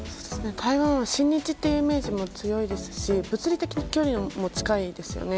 台湾は親日というイメージも強いですし物理的な距離も近いですよね。